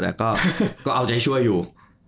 แต่ก็เอาใจช่วยอยู่